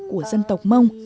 của dân tộc mông